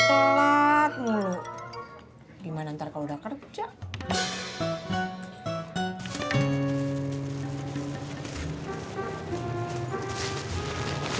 terima kasih pak